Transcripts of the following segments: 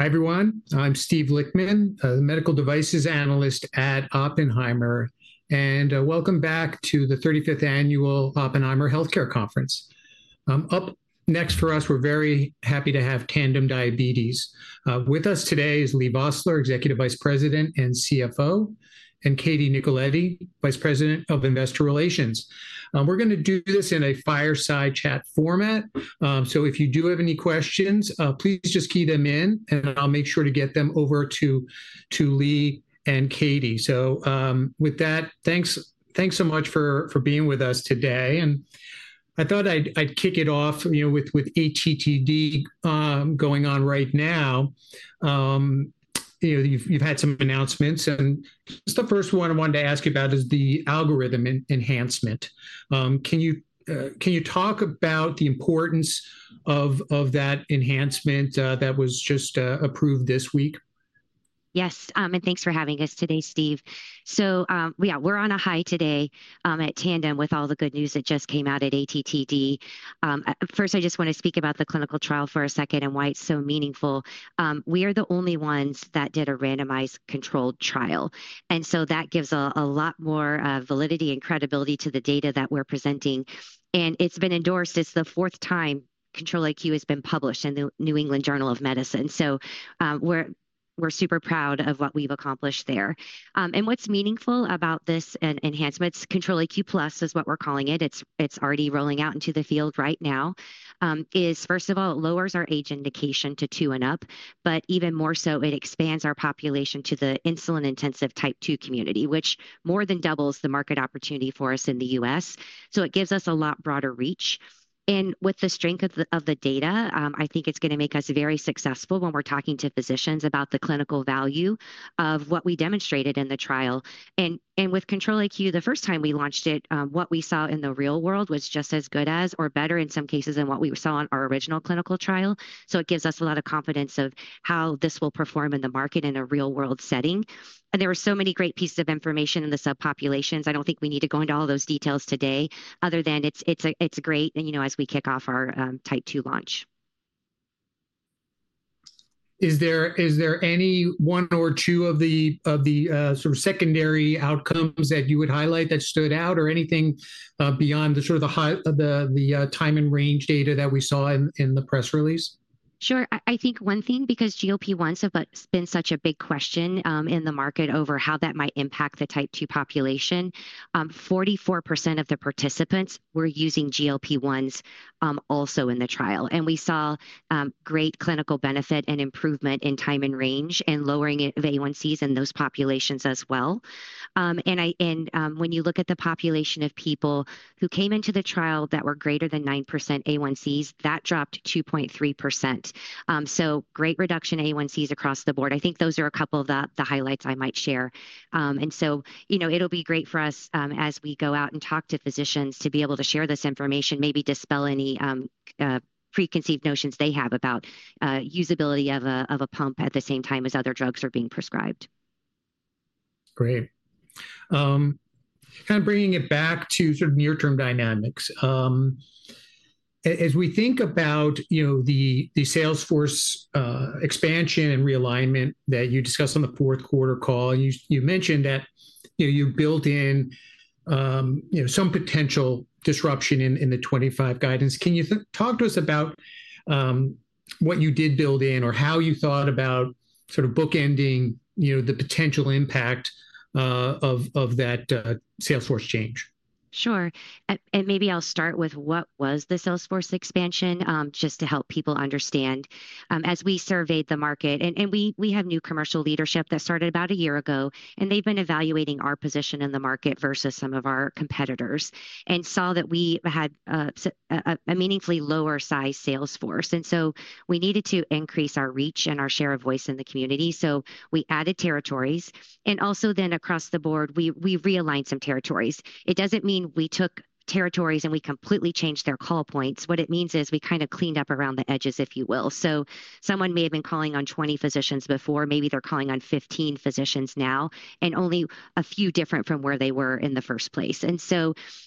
Hi everyone. I'm Steve Lichtman, a medical devices analyst at Oppenheimer. Welcome back to the 35th Annual Oppenheimer Healthcare Conference. Up next for us, we're very happy to have Tandem Diabetes. With us today is Leigh Vosseller, Executive Vice President and CFO, and Katie Nicoletti, Vice President of Investor Relations. We're going to do this in a fireside chat format. If you do have any questions, please just key them in, and I'll make sure to get them over to Leigh and Katie. With that, thanks so much for being with us today. I thought I'd kick it off with ATTD going on right now. You've had some announcements, and just the first one I wanted to ask you about is the algorithm enhancement. Can you talk about the importance of that enhancement that was just approved this week? Yes, and thanks for having us today, Steve. Yeah, we're on a high today at Tandem with all the good news that just came out at ATTD. First, I just want to speak about the clinical trial for a second and why it's so meaningful. We are the only ones that did a randomized controlled trial. That gives a lot more validity and credibility to the data that we're presenting. It's been endorsed. It's the fourth time Control-IQ has been published in the New England Journal of Medicine. We're super proud of what we've accomplished there. What's meaningful about this enhancement, Control-IQ+ is what we're calling it. It's already rolling out into the field right now. First of all, it lowers our age indication to two and up, but even more so, it expands our population to the insulin-intensive Type 2 community, which more than doubles the market opportunity for us in the U.S. It gives us a lot broader reach. With the strength of the data, I think it's going to make us very successful when we're talking to physicians about the clinical value of what we demonstrated in the trial. With Control-IQ, the first time we launched it, what we saw in the real world was just as good as, or better in some cases, than what we saw in our original clinical trial. It gives us a lot of confidence of how this will perform in the market in a real-world setting. There were so many great pieces of information in the subpopulations. I don't think we need to go into all those details today other than it's great as we kick off our Type 2 launch. Is there any one or two of the sort of secondary outcomes that you would highlight that stood out or anything beyond the sort of the time and range data that we saw in the press release? Sure. I think one thing, because GLP-1s have been such a big question in the market over how that might impact the Type 2 population. 44% of the participants were using GLP-1s also in the trial. We saw great clinical benefit and improvement in time and range and lowering of A1Cs in those populations as well. When you look at the population of people who came into the trial that were greater than 9% A1Cs, that dropped 2.3%. Great reduction in A1Cs across the board. I think those are a couple of the highlights I might share. It will be great for us as we go out and talk to physicians to be able to share this information, maybe dispel any preconceived notions they have about usability of a pump at the same time as other drugs are being prescribed. Great. Kind of bringing it back to sort of near-term dynamics. As we think about the sales force expansion and realignment that you discussed on the fourth quarter call, you mentioned that you built in some potential disruption in the 2025 guidance. Can you talk to us about what you did build in or how you thought about sort of bookending the potential impact of that sales force change? Sure. Maybe I'll start with what was the sales force expansion just to help people understand. As we surveyed the market, and we have new commercial leadership that started about a year ago, and they've been evaluating our position in the market versus some of our competitors and saw that we had a meaningfully lower size sales force. We needed to increase our reach and our share of voice in the community. We added territories. Also, across the board, we realigned some territories. It does not mean we took territories and we completely changed their call points. What it means is we kind of cleaned up around the edges, if you will. Someone may have been calling on 20 physicians before. Maybe they're calling on 15 physicians now and only a few different from where they were in the first place.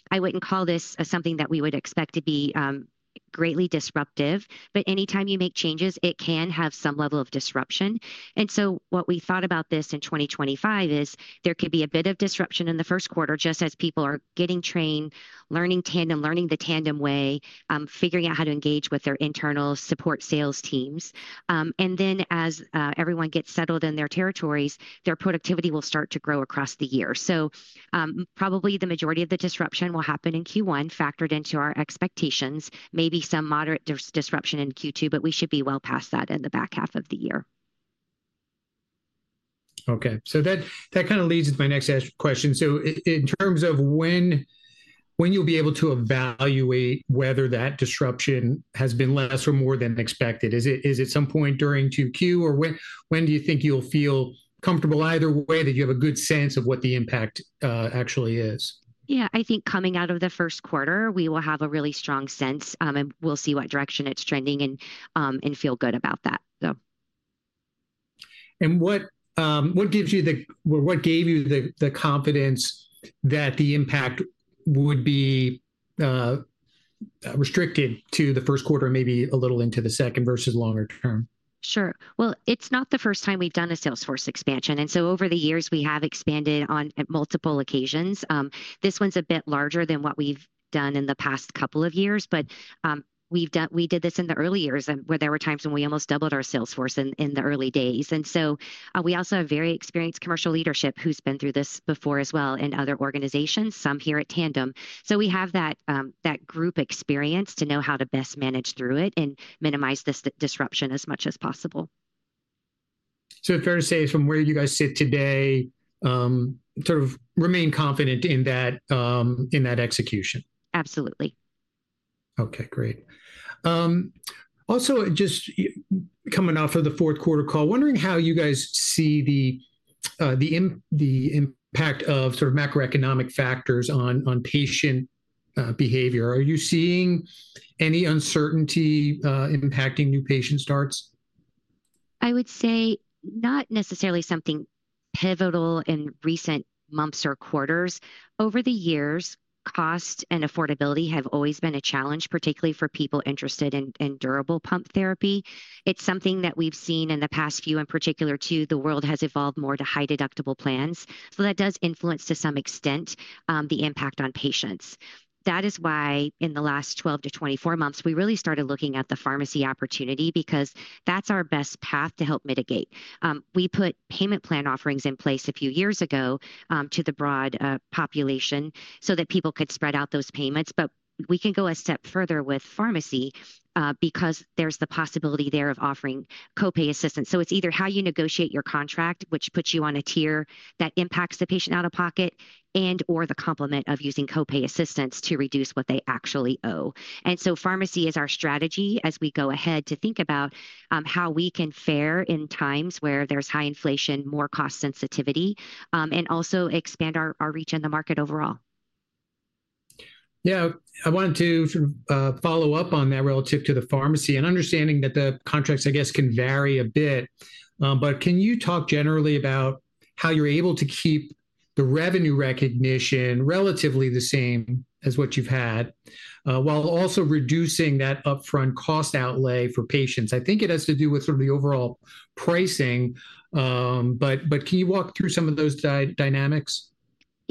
I would not call this something that we would expect to be greatly disruptive, but anytime you make changes, it can have some level of disruption. What we thought about this in 2025 is there could be a bit of disruption in the first quarter just as people are getting trained, learning Tandem, learning the Tandem way, figuring out how to engage with their internal support sales teams. As everyone gets settled in their territories, their productivity will start to grow across the year. Probably the majority of the disruption will happen in Q1 factored into our expectations. Maybe some moderate disruption in Q2, but we should be well past that in the back half of the year. Okay. That kind of leads to my next question. In terms of when you'll be able to evaluate whether that disruption has been less or more than expected, is it some point during Q2 or when do you think you'll feel comfortable either way that you have a good sense of what the impact actually is? Yeah, I think coming out of the first quarter, we will have a really strong sense and we'll see what direction it's trending and feel good about that. What gave you the confidence that the impact would be restricted to the first quarter and maybe a little into the second versus longer term? Sure. It is not the first time we have done a sales force expansion. Over the years, we have expanded on multiple occasions. This one is a bit larger than what we have done in the past couple of years, but we did this in the early years where there were times when we almost doubled our sales force in the early days. We also have very experienced commercial leadership who has been through this before as well in other organizations, some here at Tandem. We have that group experience to know how to best manage through it and minimize this disruption as much as possible. Fair to say from where you guys sit today, sort of remain confident in that execution? Absolutely. Okay, great. Also just coming off of the fourth quarter call, wondering how you guys see the impact of sort of macroeconomic factors on patient behavior. Are you seeing any uncertainty impacting new patient starts? I would say not necessarily something pivotal in recent months or quarters. Over the years, cost and affordability have always been a challenge, particularly for people interested in durable pump therapy. It's something that we've seen in the past few, in particular too, the world has evolved more to high deductible plans. That does influence to some extent the impact on patients. That is why in the last 12 to 24 months, we really started looking at the pharmacy opportunity because that's our best path to help mitigate. We put payment plan offerings in place a few years ago to the broad population so that people could spread out those payments. We can go a step further with pharmacy because there's the possibility there of offering copay assistance. It is either how you negotiate your contract, which puts you on a tier that impacts the patient out of pocket, and/or the complement of using copay assistance to reduce what they actually owe. Pharmacy is our strategy as we go ahead to think about how we can fare in times where there is high inflation, more cost sensitivity, and also expand our reach in the market overall. Yeah, I wanted to follow up on that relative to the pharmacy and understanding that the contracts, I guess, can vary a bit. Can you talk generally about how you're able to keep the revenue recognition relatively the same as what you've had while also reducing that upfront cost outlay for patients? I think it has to do with sort of the overall pricing. Can you walk through some of those dynamics?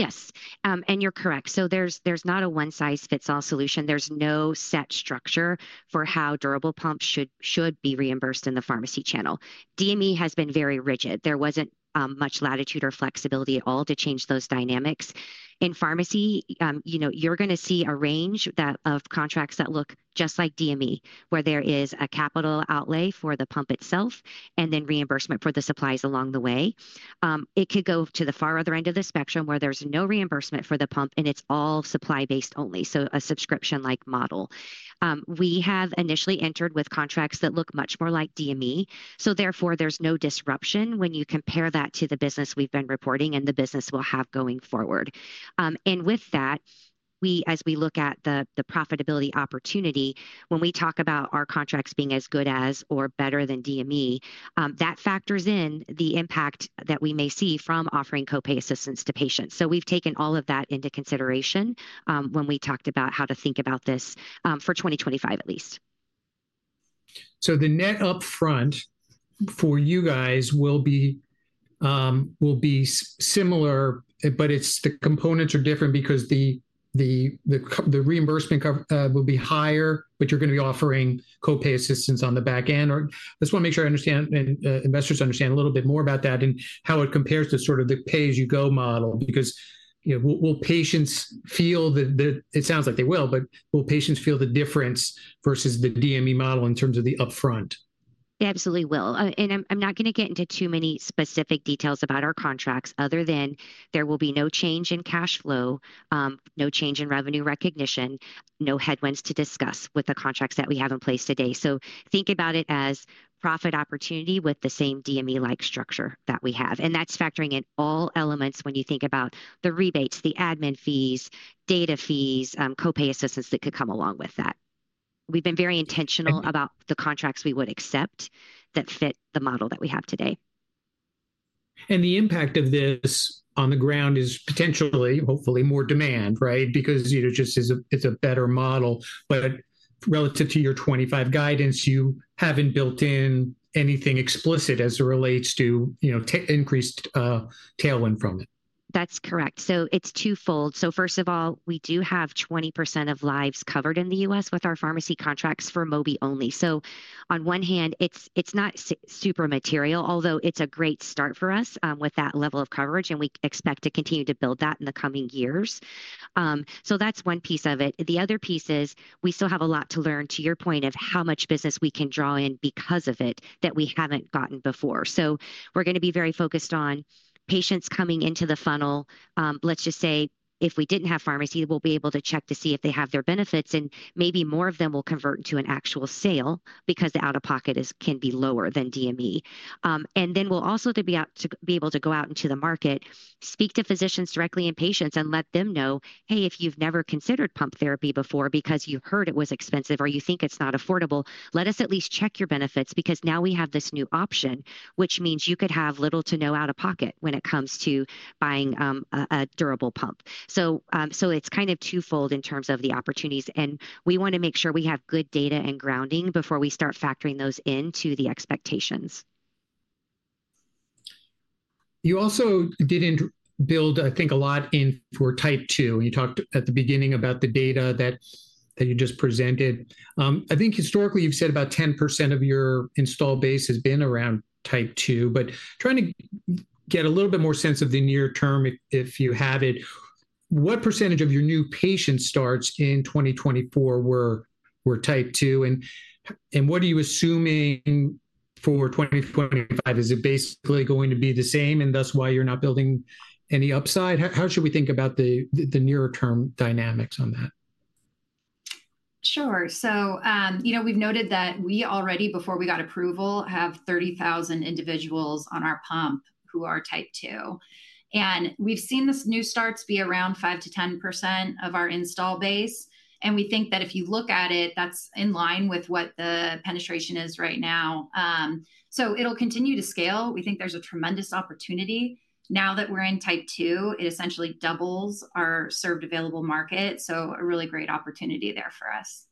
Yes. You're correct. There's not a one-size-fits-all solution. There's no set structure for how durable pumps should be reimbursed in the pharmacy channel. DME has been very rigid. There wasn't much latitude or flexibility at all to change those dynamics. In pharmacy, you're going to see a range of contracts that look just like DME, where there is a capital outlay for the pump itself and then reimbursement for the supplies along the way. It could go to the far other end of the spectrum where there's no reimbursement for the pump and it's all supply-based only, so a subscription-like model. We have initially entered with contracts that look much more like DME. Therefore, there's no disruption when you compare that to the business we've been reporting and the business we'll have going forward. As we look at the profitability opportunity, when we talk about our contracts being as good as or better than DME, that factors in the impact that we may see from offering copay assistance to patients. We have taken all of that into consideration when we talked about how to think about this for 2025 at least. The net upfront for you guys will be similar, but the components are different because the reimbursement will be higher, but you're going to be offering copay assistance on the back end. I just want to make sure I understand and investors understand a little bit more about that and how it compares to sort of the pay-as-you-go model because will patients feel that it sounds like they will, but will patients feel the difference versus the DME model in terms of the upfront? They absolutely will. I'm not going to get into too many specific details about our contracts other than there will be no change in cash flow, no change in revenue recognition, no headwinds to discuss with the contracts that we have in place today. Think about it as profit opportunity with the same DME-like structure that we have. That is factoring in all elements when you think about the rebates, the admin fees, data fees, copay assistance that could come along with that. We've been very intentional about the contracts we would accept that fit the model that we have today. The impact of this on the ground is potentially, hopefully, more demand, right? Because it's a better model. Relative to your 2025 guidance, you haven't built in anything explicit as it relates to increased tailwind from it. That's correct. It is twofold. First of all, we do have 20% of lives covered in the U.S. with our pharmacy contracts for Mobi only. On one hand, it is not super material, although it is a great start for us with that level of coverage, and we expect to continue to build that in the coming years. That is one piece of it. The other piece is we still have a lot to learn, to your point, about how much business we can draw in because of it that we have not gotten before. We are going to be very focused on patients coming into the funnel. Let's just say if we did not have pharmacy, we will be able to check to see if they have their benefits, and maybe more of them will convert into an actual sale because the out-of-pocket can be lower than DME. We will also be able to go out into the market, speak to physicians directly and patients, and let them know, "Hey, if you've never considered pump therapy before because you heard it was expensive or you think it's not affordable, let us at least check your benefits because now we have this new option, which means you could have little to no out-of-pocket when it comes to buying a durable pump." It is kind of twofold in terms of the opportunities. We want to make sure we have good data and grounding before we start factoring those into the expectations. You also did not build, I think, a lot in for Type 2. You talked at the beginning about the data that you just presented. I think historically you have said about 10% of your install base has been around Type 2, but trying to get a little bit more sense of the near term, if you have it, what percentage of your new patient starts in 2024 were Type 2? What are you assuming for 2025? Is it basically going to be the same and thus why you are not building any upside? How should we think about the near-term dynamics on that? Sure. We have noted that we already, before we got approval, have 30,000 individuals on our pump who are Type 2. We have seen these new starts be around 5-10% of our install base. We think that if you look at it, that is in line with what the penetration is right now. It will continue to scale. We think there is a tremendous opportunity. Now that we are in Type 2, it essentially doubles our served available market. A really great opportunity there for us.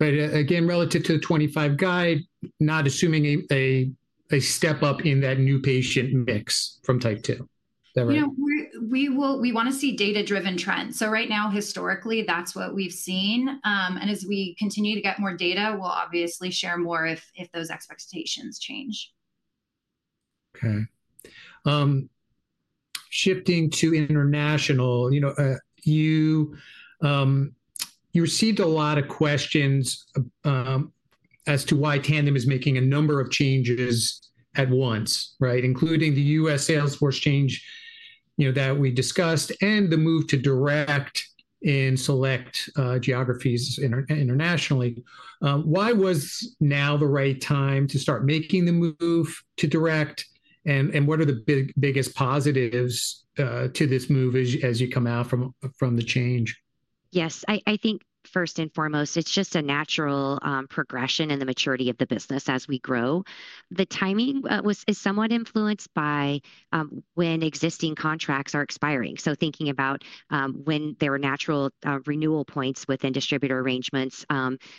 Again, relative to the 2025 guide, not assuming a step up in that new patient mix from Type 2. Is that right? We want to see data-driven trends. Right now, historically, that's what we've seen. As we continue to get more data, we'll obviously share more if those expectations change. Okay. Shifting to international, you received a lot of questions as to why Tandem is making a number of changes at once, right? Including the U.S. sales force change that we discussed and the move to direct in select geographies internationally. Why was now the right time to start making the move to direct? What are the biggest positives to this move as you come out from the change? Yes. I think first and foremost, it's just a natural progression in the maturity of the business as we grow. The timing is somewhat influenced by when existing contracts are expiring. Thinking about when there are natural renewal points within distributor arrangements,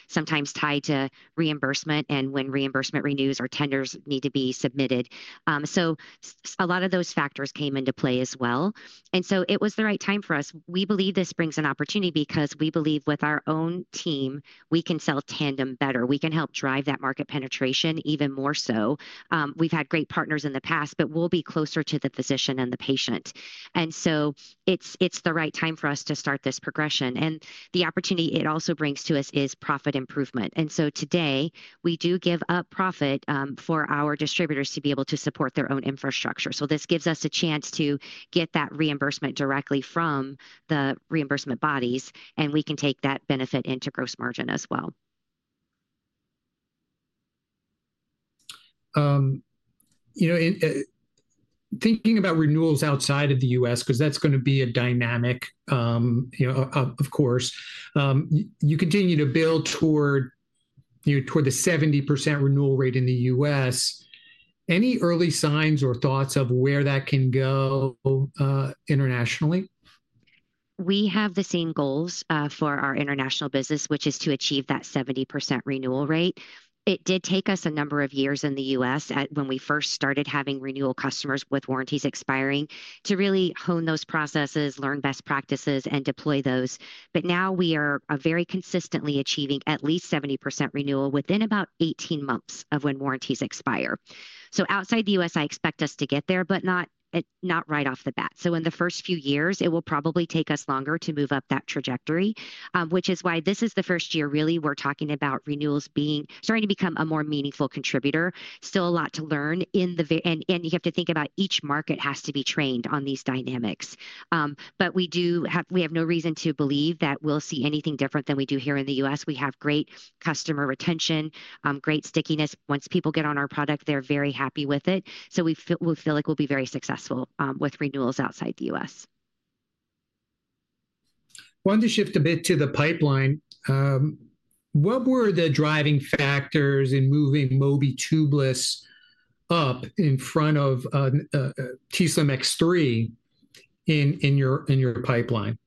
sometimes tied to reimbursement and when reimbursement renews or tenders need to be submitted. A lot of those factors came into play as well. It was the right time for us. We believe this brings an opportunity because we believe with our own team, we can sell Tandem better. We can help drive that market penetration even more so. We've had great partners in the past, but we'll be closer to the physician and the patient. It is the right time for us to start this progression. The opportunity it also brings to us is profit improvement. Today, we do give up profit for our distributors to be able to support their own infrastructure. This gives us a chance to get that reimbursement directly from the reimbursement bodies, and we can take that benefit into gross margin as well. Thinking about renewals outside of the U.S., because that's going to be a dynamic, of course, you continue to build toward the 70% renewal rate in the U.S. Any early signs or thoughts of where that can go internationally? We have the same goals for our international business, which is to achieve that 70% renewal rate. It did take us a number of years in the U.S. when we first started having renewal customers with warranties expiring to really hone those processes, learn best practices, and deploy those. Now we are very consistently achieving at least 70% renewal within about 18 months of when warranties expire. Outside the U.S., I expect us to get there, but not right off the bat. In the first few years, it will probably take us longer to move up that trajectory, which is why this is the first year really we're talking about renewals starting to become a more meaningful contributor. Still a lot to learn. You have to think about each market has to be trained on these dynamics. We have no reason to believe that we'll see anything different than we do here in the U.S. We have great customer retention, great stickiness. Once people get on our product, they're very happy with it. We feel like we'll be very successful with renewals outside the U.S. Wanted to shift a bit to the pipeline. What were the driving factors in moving Mobi Tubeless up in front of t:slim X3 in your pipeline?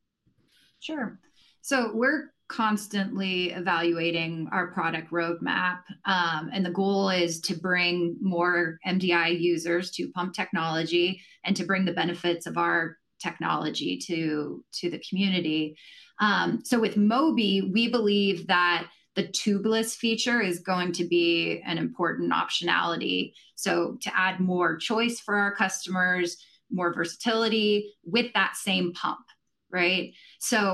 Sure. We are constantly evaluating our product roadmap. The goal is to bring more MDI users to pump technology and to bring the benefits of our technology to the community. With Mobi, we believe that the tubeless feature is going to be an important optionality to add more choice for our customers, more versatility with that same pump, right?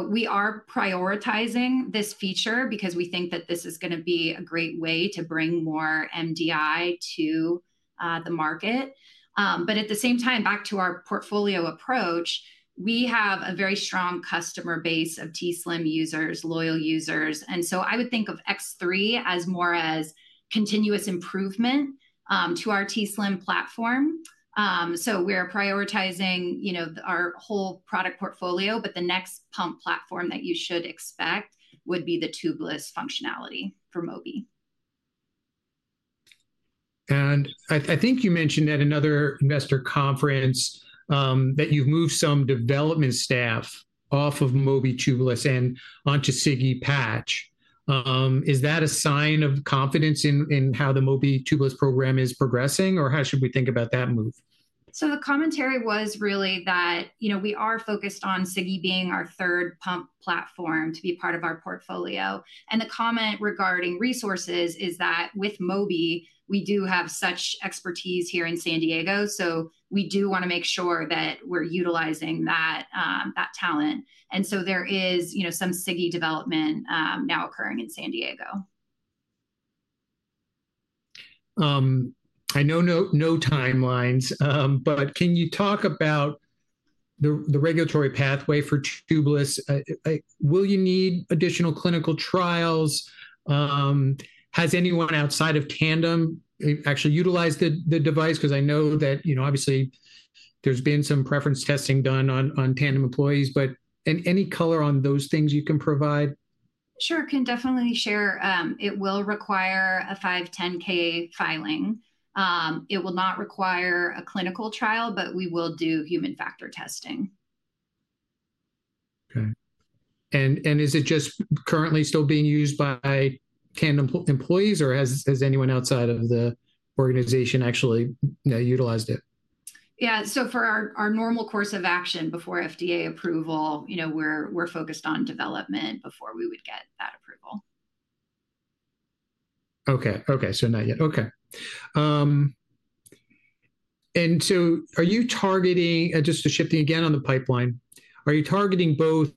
We are prioritizing this feature because we think that this is going to be a great way to bring more MDI to the market. At the same time, back to our portfolio approach, we have a very strong customer base of t:slim users, loyal users. I would think of X3 as more as continuous improvement to our t:slim platform. We are prioritizing our whole product portfolio, but the next pump platform that you should expect would be the tubeless functionality for Mobi. I think you mentioned at another investor conference that you've moved some development staff off of Mobi Tubeless and onto Sigi Patch. Is that a sign of confidence in how the Mobi Tubeless program is progressing, or how should we think about that move? The commentary was really that we are focused on Sigi being our third pump platform to be part of our portfolio. The comment regarding resources is that with Mobi, we do have such expertise here in San Diego. We do want to make sure that we're utilizing that talent. There is some Sigi development now occurring in San Diego. I know no timelines, but can you talk about the regulatory pathway for tubeless? Will you need additional clinical trials? Has anyone outside of Tandem actually utilized the device? Because I know that obviously there's been some preference testing done on Tandem employees, but any color on those things you can provide? Sure. Can definitely share. It will require a 510(k) filing. It will not require a clinical trial, but we will do human factor testing. Okay. Is it just currently still being used by Tandem employees, or has anyone outside of the organization actually utilized it? Yeah. For our normal course of action before FDA approval, we're focused on development before we would get that approval. Okay. Okay. Not yet. Okay. Are you targeting, just shifting again on the pipeline, are you targeting both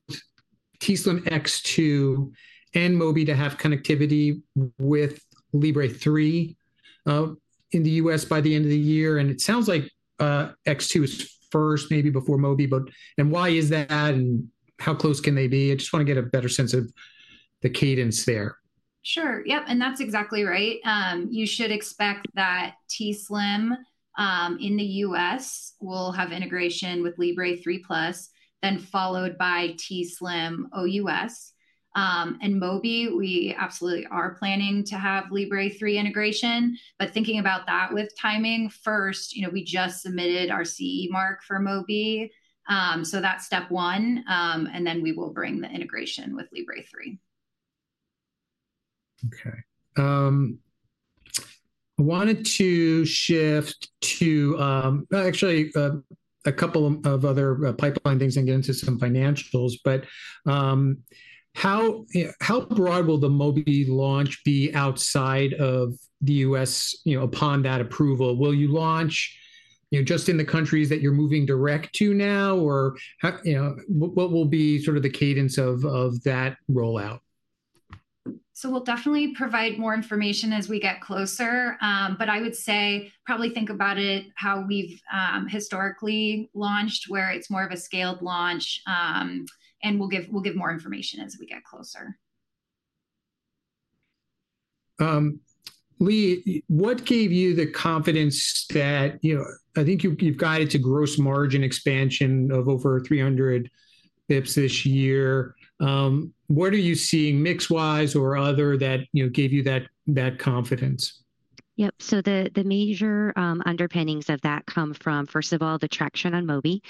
t:slim X2 and Mobi to have connectivity with Libre 3 in the U.S. by the end of the year? It sounds like X2 is first, maybe before Mobi, but why is that? How close can they be? I just want to get a better sense of the cadence there. Sure. Yep. That is exactly right. You should expect that t:slim in the U.S. will have integration with Libre 3, then followed by t:slim OUS. Mobi, we absolutely are planning to have Libre 3 integration. Thinking about that with timing, first, we just submitted our CE mark for Mobi. That is step one. We will bring the integration with Libre 3. Okay. I wanted to shift to actually a couple of other pipeline things and get into some financials, but how broad will the Mobi launch be outside of the U.S. upon that approval? Will you launch just in the countries that you're moving direct to now, or what will be sort of the cadence of that rollout? We will definitely provide more information as we get closer, but I would say probably think about it how we have historically launched, where it is more of a scaled launch, and we will give more information as we get closer. Leigh, what gave you the confidence that I think you've guided to gross margin expansion of over 300 basis points this year. What are you seeing mix-wise or other that gave you that confidence? Yep. The major underpinnings of that come from, first of all, the traction on Mobi.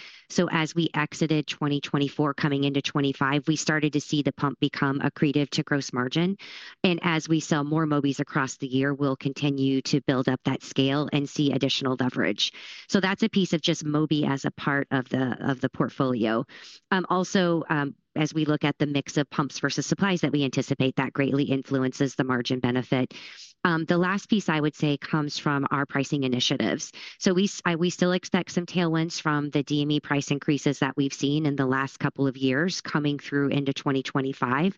As we exited 2024, coming into 2025, we started to see the pump become accretive to gross margin. As we sell more Mobis across the year, we'll continue to build up that scale and see additional leverage. That's a piece of just Mobi as a part of the portfolio. Also, as we look at the mix of pumps versus supplies that we anticipate, that greatly influences the margin benefit. The last piece, I would say, comes from our pricing initiatives. We still expect some tailwinds from the DME price increases that we've seen in the last couple of years coming through into 2025.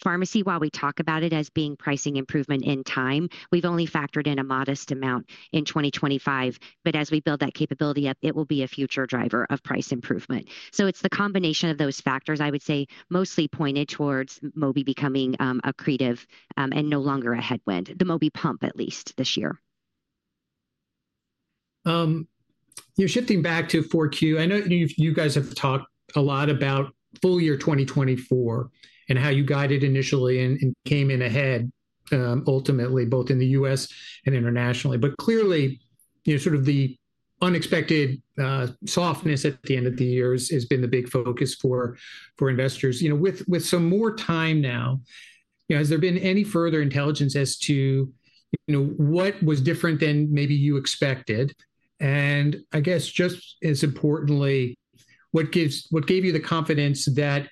Pharmacy, while we talk about it as being pricing improvement in time, we've only factored in a modest amount in 2025, but as we build that capability up, it will be a future driver of price improvement. It is the combination of those factors, I would say, mostly pointed towards Mobi becoming accretive and no longer a headwind, the Mobi pump at least this year. Shifting back to Q4, I know you guys have talked a lot about full year 2024 and how you guided initially and came in ahead ultimately, both in the U.S. and internationally. Clearly, sort of the unexpected softness at the end of the year has been the big focus for investors. With some more time now, has there been any further intelligence as to what was different than maybe you expected? I guess just as importantly, what gave you the confidence that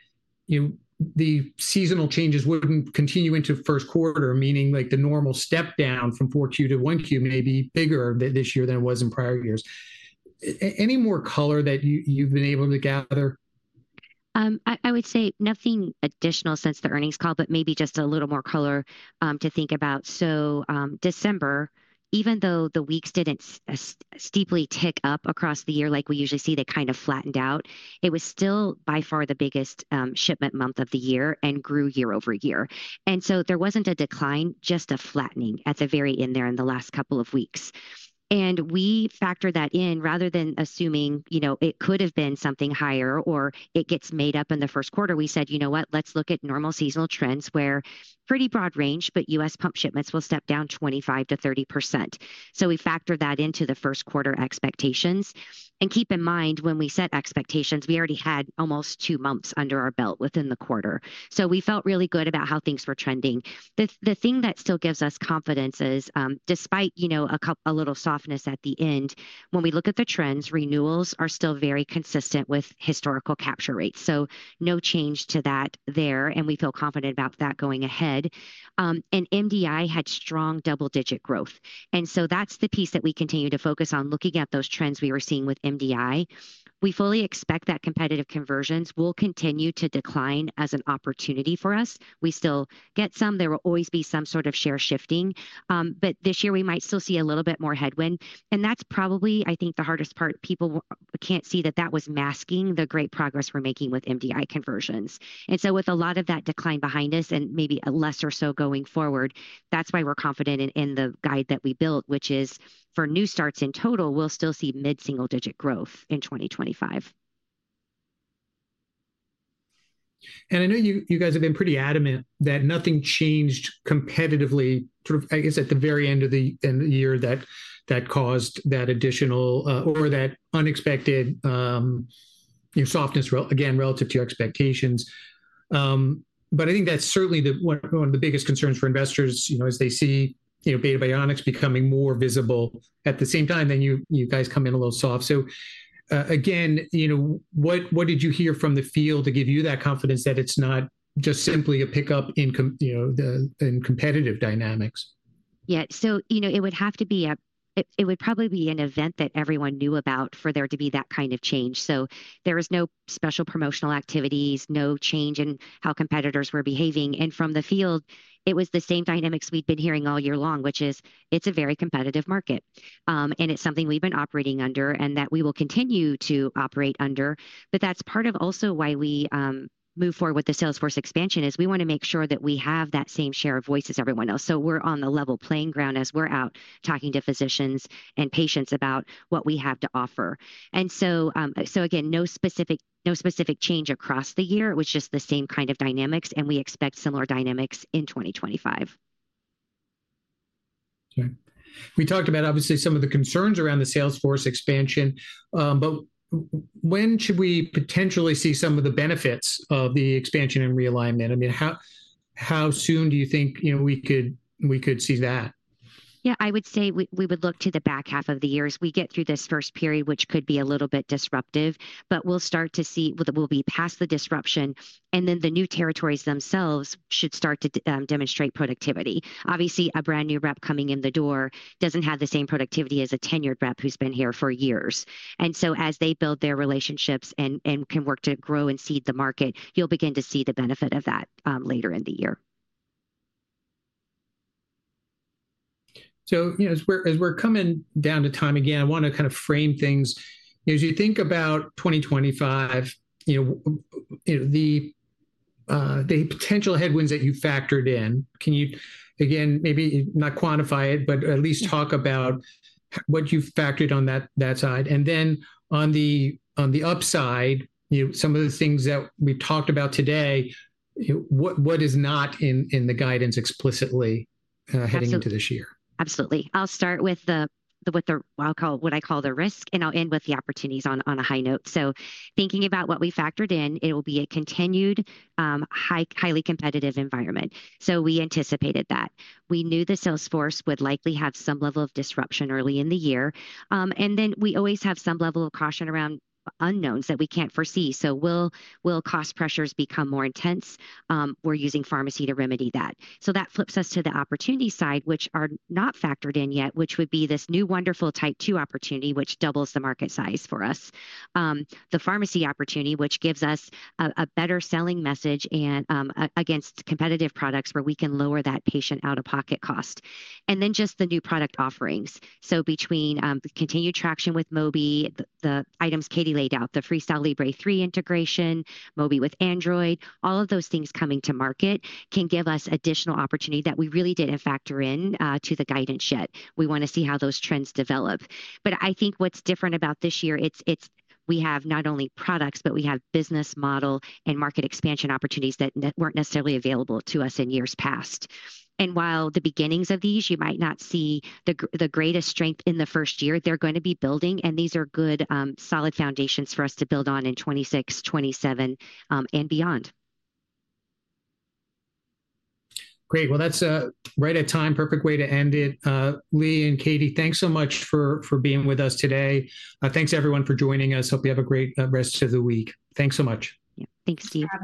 the seasonal changes would not continue into first quarter, meaning the normal step down from Q4 to Q1 may be bigger this year than it was in prior years? Any more color that you have been able to gather? I would say nothing additional since the earnings call, but maybe just a little more color to think about. December, even though the weeks did not steeply tick up across the year like we usually see, they kind of flattened out. It was still by far the biggest shipment month of the year and grew year-over-year. There was not a decline, just a flattening at the very end there in the last couple of weeks. We factor that in rather than assuming it could have been something higher or it gets made up in the first quarter. We said, you know what, let's look at normal seasonal trends where pretty broad range, but U.S. pump shipments will step down 25-30%. We factor that into the first quarter expectations. Keep in mind, when we set expectations, we already had almost two months under our belt within the quarter. We felt really good about how things were trending. The thing that still gives us confidence is, despite a little softness at the end, when we look at the trends, renewals are still very consistent with historical capture rates. No change to that there, and we feel confident about that going ahead. MDI had strong double-digit growth. That is the piece that we continue to focus on, looking at those trends we were seeing with MDI. We fully expect that competitive conversions will continue to decline as an opportunity for us. We still get some. There will always be some sort of share shifting. This year, we might still see a little bit more headwind. That is probably, I think, the hardest part. People can't see that that was masking the great progress we're making with MDI conversions. With a lot of that decline behind us and maybe a lesser so going forward, that's why we're confident in the guide that we built, which is for new starts in total, we'll still see mid-single-digit growth in 2025. I know you guys have been pretty adamant that nothing changed competitively, sort of, I guess, at the very end of the year that caused that additional or that unexpected softness, again, relative to your expectations. I think that's certainly one of the biggest concerns for investors as they see Beta Bionics becoming more visible at the same time that you guys come in a little soft. Again, what did you hear from the field to give you that confidence that it's not just simply a pickup in competitive dynamics? Yeah. It would have to be an event that everyone knew about for there to be that kind of change. There was no special promotional activities, no change in how competitors were behaving. From the field, it was the same dynamics we've been hearing all year long, which is it's a very competitive market. It's something we've been operating under and that we will continue to operate under. That's part of also why we move forward with the sales force expansion. We want to make sure that we have that same share of voice as everyone else, so we're on the level playing ground as we're out talking to physicians and patients about what we have to offer. Again, no specific change across the year. It was just the same kind of dynamics, and we expect similar dynamics in 2025. Okay. We talked about, obviously, some of the concerns around the sales force expansion, but when should we potentially see some of the benefits of the expansion and realignment? I mean, how soon do you think we could see that? Yeah, I would say we would look to the back half of the year as we get through this first period, which could be a little bit disruptive, but we'll start to see that we'll be past the disruption, and then the new territories themselves should start to demonstrate productivity. Obviously, a brand new rep coming in the door doesn't have the same productivity as a tenured rep who's been here for years. As they build their relationships and can work to grow and seed the market, you'll begin to see the benefit of that later in the year. As we're coming down to time again, I want to kind of frame things. As you think about 2025, the potential headwinds that you factored in, can you again, maybe not quantify it, but at least talk about what you factored on that side. On the upside, some of the things that we've talked about today, what is not in the guidance explicitly heading into this year? Absolutely. I'll start with what I call the risk, and I'll end with the opportunities on a high note. Thinking about what we factored in, it will be a continued highly competitive environment. We anticipated that. We knew the sales force would likely have some level of disruption early in the year. We always have some level of caution around unknowns that we can't foresee. Will cost pressures become more intense? We're using pharmacy to remedy that. That flips us to the opportunity side, which are not factored in yet, which would be this new wonderful type two opportunity, which doubles the market size for us. The pharmacy opportunity, which gives us a better selling message against competitive products where we can lower that patient out-of-pocket cost. Then just the new product offerings. Between the continued traction with Mobi, the items Katie laid out, the Freestyle Libre 3 integration, Mobi with Android, all of those things coming to market can give us additional opportunity that we really did not factor into the guidance yet. We want to see how those trends develop. I think what is different about this year is we have not only products, but we have business model and market expansion opportunities that were not necessarily available to us in years past. While the beginnings of these, you might not see the greatest strength in the first year, they are going to be building, and these are good solid foundations for us to build on in 2026, 2027, and beyond. Great. That's right at time, perfect way to end it. Leigh and Katie, thanks so much for being with us today. Thanks, everyone, for joining us. Hope you have a great rest of the week. Thanks so much. Thanks, Steve.